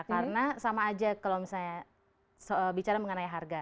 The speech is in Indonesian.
karena sama aja kalau misalnya bicara mengenai harga